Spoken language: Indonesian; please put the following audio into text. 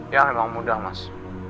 ya memang mudah mas